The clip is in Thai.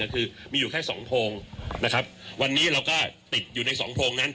คือมีอยู่แค่๒โพงนะครับวันนี้เราก็ติดอยู่ในสองโพงนั้น